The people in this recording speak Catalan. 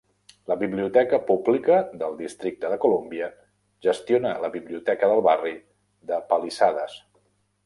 La biblioteca pública del districte de Columbia gestiona la biblioteca del barri de Palisades.